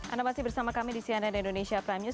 anda masih bersama kami di cnn indonesia prime news